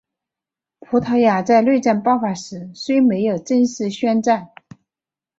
葡萄牙在内战爆发时虽没有正式宣战。